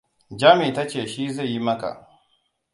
Jami ta ce shi zai yi maka.